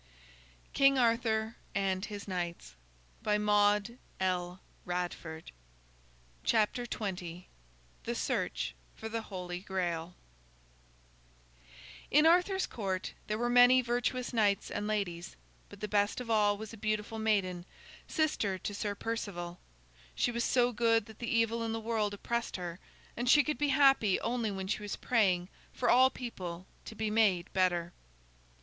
[Illustration: Two Crossed Swords and a Shield] THE SEARCH FOR THE HOLY GRAIL In Arthur's Court there were many virtuous knights and ladies, but the best of all was a beautiful maiden, sister to Sir Perceval. She was so good that the evil in the world oppressed her, and she could be happy only when she was praying for all people to be made better.